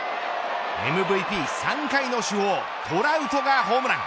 ＭＶＰ３回の主砲トラウトがホームラン。